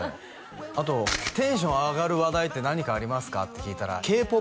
あとテンション上がる話題って何かありますかって聞いたらＫ−ＰＯＰ